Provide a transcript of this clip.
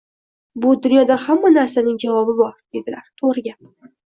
Bu dunyoda hamma narsaning javobi bor deydilar. To’g’ri gap.